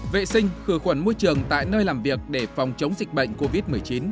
vệ sinh khử khuẩn môi trường tại nơi làm việc để phòng chống dịch bệnh covid một mươi chín